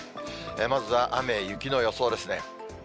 まずは、雨や雪の予想ですね。